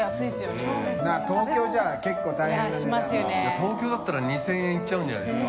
東京だったら２０００円いっちゃうんじゃないですか？